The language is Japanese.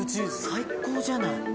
最高じゃない。